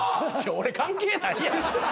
俺関係ないやん。